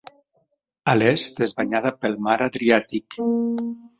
A l'est és banyada pel mar Adriàtic.